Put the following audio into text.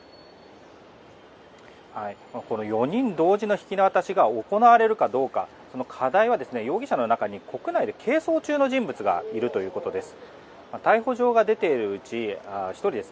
４人同時の引き渡しが行われるかどうかその課題は容疑者の中に国内で係争中の人物がいるということです。